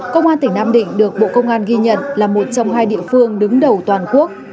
công an tỉnh nam định được bộ công an ghi nhận là một trong hai địa phương đứng đầu toàn quốc